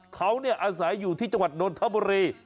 เขาอาศัยอยู่ที่จังหวัดนนทบุรี